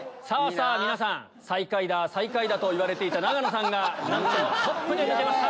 皆さん最下位だ最下位だと言われていた永野さんがなんとトップで抜けました。